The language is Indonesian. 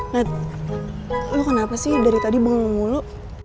nget lu kenapa sih dari tadi bangun mulu